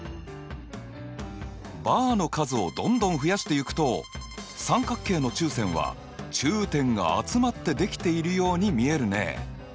バーの数をどんどん増やしていくと三角形の中線は中点が集まってできているように見えるね。